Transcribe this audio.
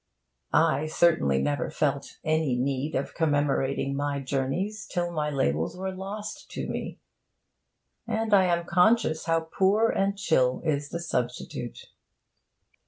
I, certainly never felt any need of commemorating my journeys till my labels were lost to me. And I am conscious how poor and chill is the substitute.